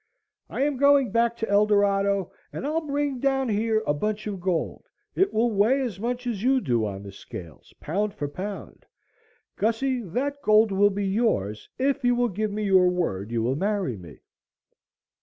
"I am going back to Eldorado and I'll bring down here a bunch of gold. It will weigh as much as you do on the scales, pound for pound. Gussie, that gold will be yours if you give me your word you will marry me."